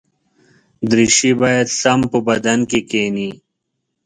دریشي باید سم په بدن کې کېني.